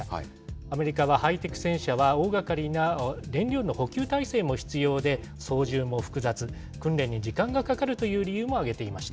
アメリカは、ハイテク戦車は大がかりな燃料の補給体制も必要で、操縦も複雑、訓練に時間がかかるという理由も挙げていました。